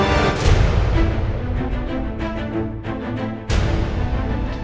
sini kan ada anak